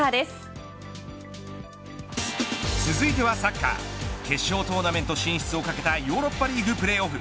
続いてはサッカー決勝トーナメント進出をかけたヨーロッパリーグプレーオフ。